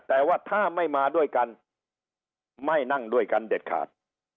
แต่ว่าถ้าไม่มาด้วยกันไม่นั่งด้วยกันเด็ดขาด